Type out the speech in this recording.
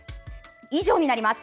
以上になります。